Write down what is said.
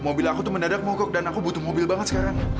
mobil aku tuh mendadak mogok dan aku butuh mobil banget sekarang